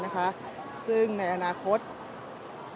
ซึ่งในอนาคตยังต่อมาจะจะมีการใช้รถคอนเซ็ปสุดท้ายในประเทศอีนโดนีเซียนะคะ